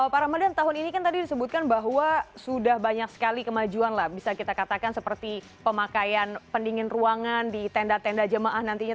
pak ramadan tahun ini kan tadi disebutkan bahwa sudah banyak sekali kemajuan lah bisa kita katakan seperti pemakaian pendingin ruangan di tenda tenda jemaah nantinya